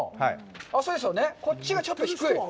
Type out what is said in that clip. こっちがちょっと低い？